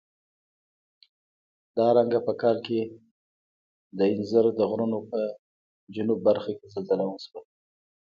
درانګه په کال کې د اندیز د غرونو په جنوب برخه کې زلزله وشوه.